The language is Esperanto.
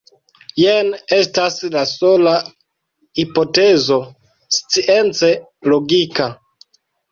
Jen estas la sola hipotezo science logika.